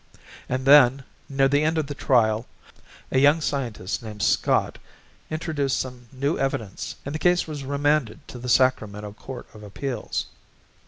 But then, near the end of the trial, a young scientist named Scott introduced some new evidence and the case was remanded to the Sacramento Court of Appeals.